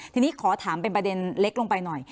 ทีนี้ขอถามเป็นประเด็นเล็กลงไปหน่อย